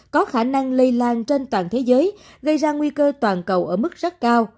có khả năng lây lan trên toàn thế giới gây ra nguy cơ toàn cầu ở mức rất cao